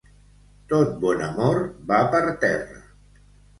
Tot bon amor va per terra.